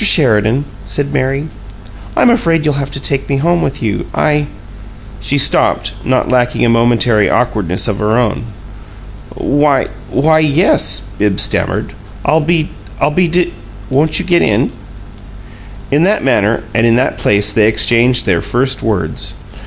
Sheridan," said Mary, "I'm afraid you'll have to take me home with you. I " She stopped, not lacking a momentary awkwardness of her own. "Why why yes," Bibbs stammered. "I'll I'll be de Won't you get in?" In that manner and in that place they exchanged their first words.